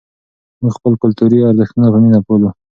موږ خپل کلتوري ارزښتونه په مینه پالو.